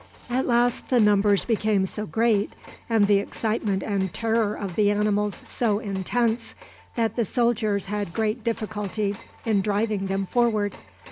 At last the numbers became so great, and the excitement and terror of the animals so intense, that the soldiers had great difficulty in driving them forward.